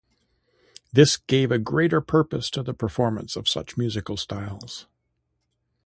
This gave a greater purpose to the performance of such musical styles.